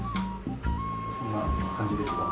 こんな感じですかね。